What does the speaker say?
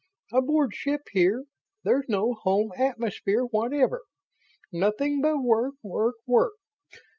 "Aboard ship here there's no home atmosphere whatever; nothing but work, work, work.